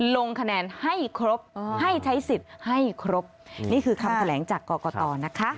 ลงคะแนนให้ครบให้ใช้สิทธิ์ให้ครบนี่คือคำแถลงจากกรกตนะคะ